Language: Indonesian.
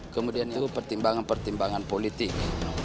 kemudian itu pertimbangan pertimbangan politik